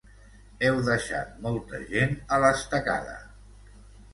Heu deixat molta gent a l’estacada.